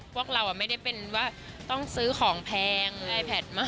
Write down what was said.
พวกเราไม่ได้เป็นว่าต้องซื้อของแพงไอแพทมาก